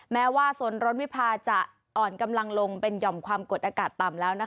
แม้ว่าสนร้อนวิพาจะอ่อนกำลังลงเป็นหย่อมความกดอากาศต่ำแล้ว